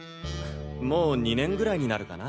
もう２年ぐらいになるかな。